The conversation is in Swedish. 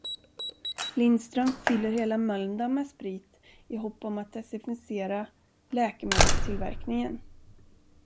Lindström fyller hela Mölndal med sprit i hopp om att desinficera läkemedelstillverkningen.